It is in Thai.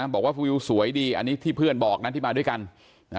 บอกว่าฟิลสวยดีอันนี้ที่เพื่อนบอกนะที่มาด้วยกัน